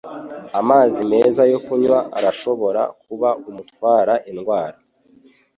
Amazi meza yo kunywa arashobora kuba umutwara indwara.